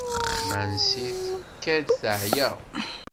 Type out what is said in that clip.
Nancy tkad-d teεya.